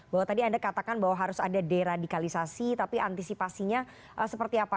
bahwa tadi anda katakan bahwa harus ada deradikalisasi tapi antisipasinya seperti apa